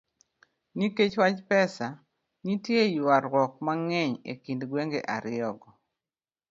Nikech wach pesa, nitie ywaruok mang'eny e kind gwenge ariyogo